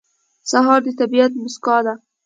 سهار د طبیعت موسکا ده.